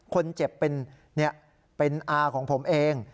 คนเจ็บเป็นอาของผมเอง